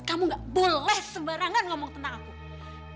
kamu gak boleh sembarangan ngomong tentang aku